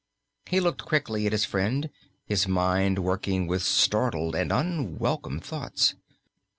He looked up quickly at his friend, his mind working with startled and unwelcome thoughts.